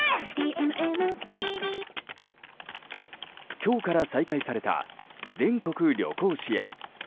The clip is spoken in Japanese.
今日から再開された全国旅行支援。